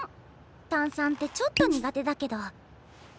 炭酸ってちょっと苦手だけど。